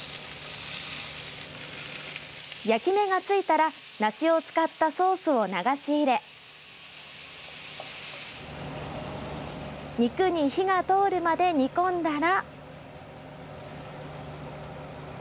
焼き目が付いたら梨を使ったソースを流し入れ肉に火が通るまで煮込んだら。